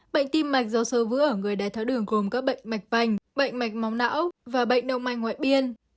bệnh tim mạch do sờ vỡ ở người đe tháo đường gồm các bệnh mạch vành bệnh mạch máu não và bệnh động mạch ngoại biên